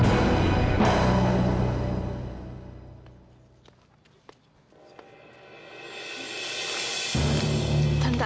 aku beneran prophet juga tria apa kan